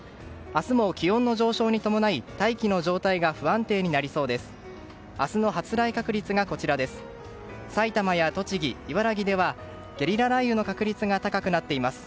明日も気温の上昇に伴い大気の状態が不安定になりそうです。